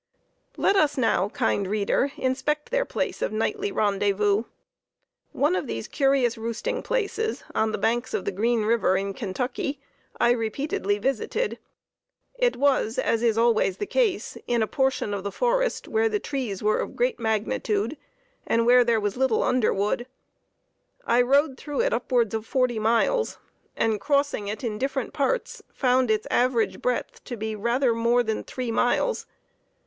Let us now, kind reader, inspect their place of nightly rendezvous. One of these curious roosting places, on the banks of the Green River in Kentucky, I repeatedly visited. It was, as is always the case, in a portion of the forest where the trees were of great magnitude, and where there was little underwood. I rode through it upwards of forty miles, and, crossing it in different parts, found its average breadth to be rather more than three miles.